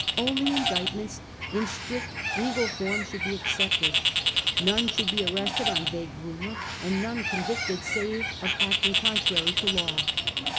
Only indictments in strict legal form should be accepted ; none should be arrested on vague rumour, and none convicted, save of acting contrary to law.